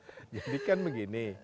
jadi kan begini